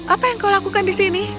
apa yang kau lakukan di sini